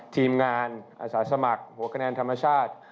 ทีมงานอาสาสมัครหัวคะแนนธรรมชาติ